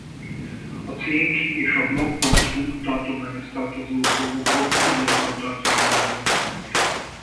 A Cink és a Blog.hu tartományához tartozó blogokon ugyanaz a tartalom jelenik meg.